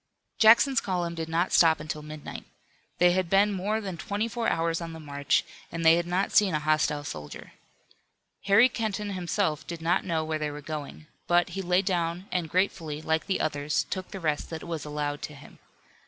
Jackson's column did not stop until midnight. They had been more than twenty four hours on the march, and they had not seen a hostile soldier. Harry Kenton himself did not know where they were going. But he lay down and gratefully, like the others, took the rest that was allowed to him.